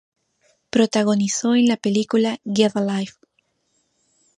Protagonizó en la película "Get a Life".